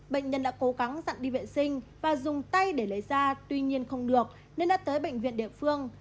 bệnh nhân đã cố gắng dặn đi vệ sinh và dùng tay để lấy da tuy nhiên không được nên đã tới bệnh viện địa phương